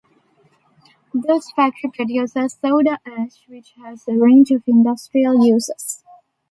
This factory produces soda ash, which has a range of industrial uses.